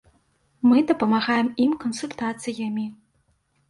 Мы дапамагаем ім кансультацыямі.